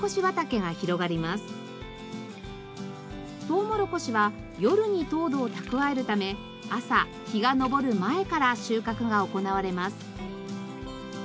とうもろこしは夜に糖度を蓄えるため朝日が昇る前から収穫が行われます。